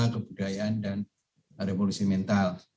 kebudayaan dan revolusi mental